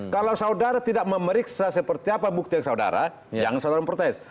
kalau saudara tidak memeriksa seperti apa bukti yang saudara jangan saudara memprotes